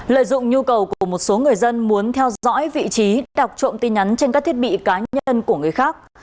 lợi dụng nhu cầu của một số người dân muốn theo dõi vị trí đọc trộm tin nhắn trên các thiết bị cá nhân của người khác